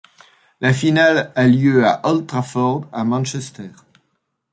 La finale a lieu à Old Trafford à Manchester.